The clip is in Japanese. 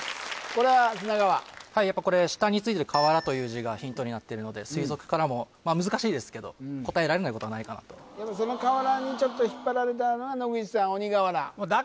これは砂川はいやっぱこれ下についてる「瓦」という字がヒントになってるので推測からもまあ難しいですけど答えられないことはないかなとやっぱその「瓦」にちょっと引っ張られたのが野口さん